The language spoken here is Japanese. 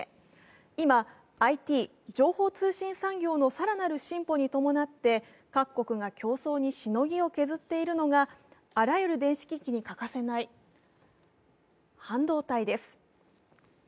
今、ＩＴ＝情報通信産業の更なる進歩に伴って各国が競争にしのぎを削っているのがあらゆる電子機器に欠かせない半導体です。